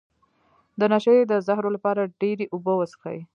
د نشې د زهرو لپاره ډیرې اوبه وڅښئ